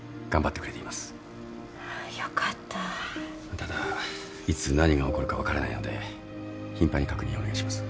ただいつ何が起こるか分からないので頻繁に確認お願いします。